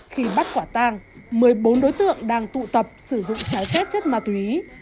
khi bắt quả tang một mươi bốn đối tượng đang tụ tập sử dụng trái phép chất ma túy